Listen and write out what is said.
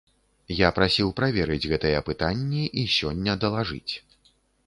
Я прасіў праверыць гэтыя пытанні і сёння далажыць.